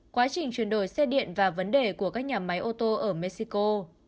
quá trình chuyển đổi xe điện và vấn đề của các nhà máy ô tô ở mexico